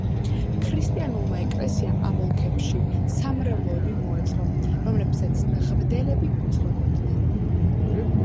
ქრისტიანულმა ეკლესიამ ამ ოლქებში სამრევლოები მოაწყო, რომლებსაც მღვდლები უძღვებოდნენ.